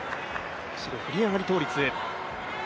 振り上がり倒立。